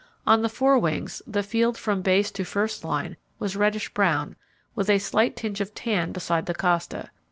On the fore wings the field from base to first line was reddish brown with a faint tinge of tan beside the costa.